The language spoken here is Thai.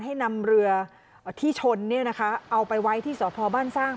ให้นำเรือที่ชนเอาไปไว้ที่สพบ้านสร้าง